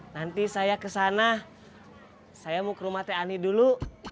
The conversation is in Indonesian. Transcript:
nanti saya kesana saya mau ke rumah tni dulu